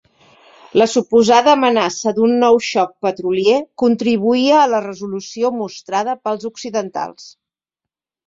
La suposada amenaça d'un nou xoc petrolier contribuïa a la resolució mostrada pels occidentals.